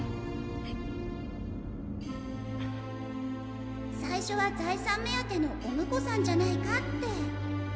（衝最初は財産目当てのお婿さんじゃないかって。